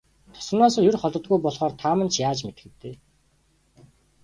Тосгоноосоо ер холддоггүй болохоор та минь ч яаж мэдэх вэ дээ.